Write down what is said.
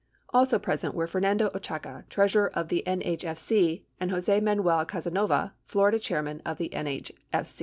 Also present were Fernando Oaxaca, treasurer of the NHFC, and J ose Manuel Casanova, Florida chairman of the NHFC.